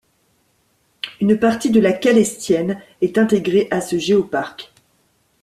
Une partie de la Calestienne est intégrée à ce géoparc.